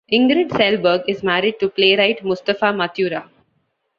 Ingrid Selberg is married to playwright Mustapha Matura.